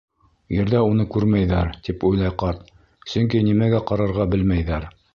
Ерҙә уны күрмәйҙәр, тип уйлай ҡарт, сөнки нимәгә ҡарарға белмәйҙәр.